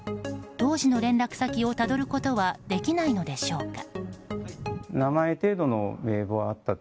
当時の連絡先をたどることはできないのでしょうか。